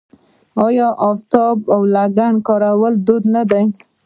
آیا د افتابه او لګن کارول دود نه دی؟